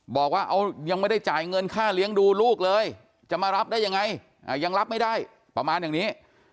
บอกว่ายังไม่ได้จ่ายเงินค่าเลี้ยงดูลูกเลยจะมารับได้ยังไงยังรับไม่ได้ประมาณอย่างนี้